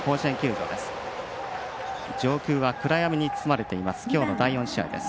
上空は暗闇に包まれています